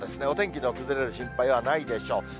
お天気の崩れる心配はないでしょう。